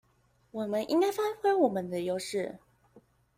我們應該發揮我們的優勢